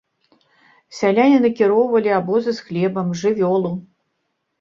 Сяляне накіроўвалі абозы з хлебам, жывёлу.